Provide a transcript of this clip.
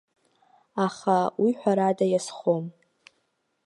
Аха, уи ҳәарада иазхом.